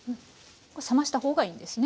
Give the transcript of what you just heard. これ冷ましたほうがいいんですね。